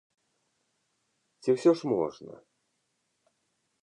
Ці ўсё ж можна?